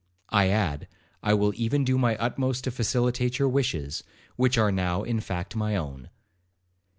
I add, I will even do my utmost to facilitate your wishes, which are now in fact my own.'